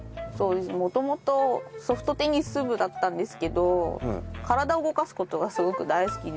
元々ソフトテニス部だったんですけど体を動かす事がすごく大好きで。